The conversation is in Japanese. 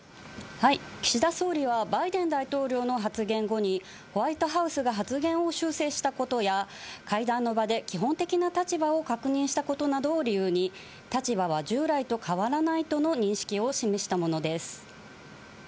岸田総理は、バイデン大統領の発言後に、ホワイトハウスが発言を修正したことや、会談の場で基本的な立場を確認したことなどを理由に、立場は従来と変わらないとの認識を示したものです。